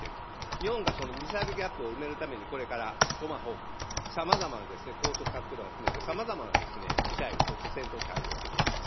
日本がそのミサイルギャップを埋めるためにこれからトマホーク、さまざまな高速滑空弾を含めてさまざまなミサイル、そして戦闘機を配備する。